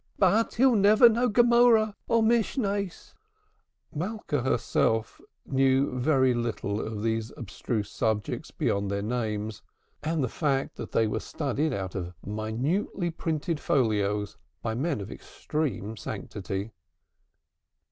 "But he'll never know Gemorah or Mishnayis." Malka herself knew very little of these abstruse subjects beyond their names, and the fact that they were studied out of minutely printed folios by men of extreme sanctity.